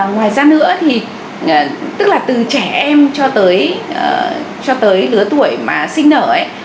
ngoài ra nữa thì tức là từ trẻ em cho tới lứa tuổi mà sinh nở ấy